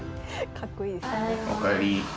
かっこいいですよね。